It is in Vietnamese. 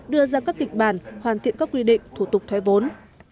đưa ra các kịch bản hoàn thiện các quy định thủ tục thoái vốn